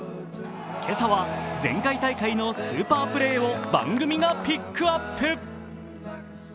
今朝は前回大会のスーパープレーを番組がピックアップ。